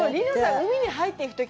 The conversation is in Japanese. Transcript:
海に入っていくとき